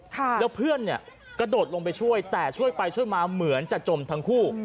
แล้วเพื่อนเนี่ยกระโดดลงไปช่วยแต่ช่วยไปช่วยมาเหมือนจะจมทั้งคู่